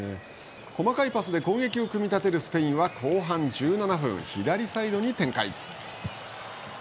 細かいパスで攻撃を組み立てるスペインは後半１７分左サイドに展開。